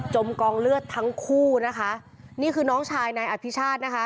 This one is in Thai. กองเลือดทั้งคู่นะคะนี่คือน้องชายนายอภิชาตินะคะ